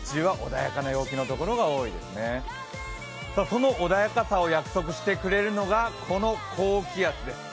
その穏やかさを約束してくれるのがこの高気圧です。